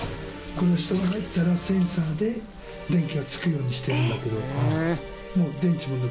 これは人が入ったらセンサーで電気がつくようにしてるんだけど。